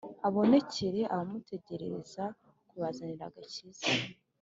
abonekerere abamutegereza kubazanira agakiza.